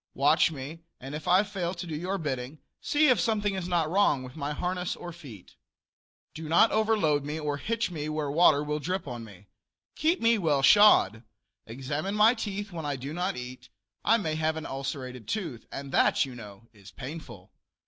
Watch me, and if I fail to do your bidding, see if something is not wrong with my harness or feet. Do not overload me or hitch me where water will drip on me. Keep me well shod. Examine my teeth when I do not eat; I may have an ulcerated tooth, and that, you know, is painful.